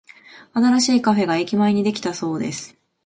新しいカフェが駅前にできたそうです。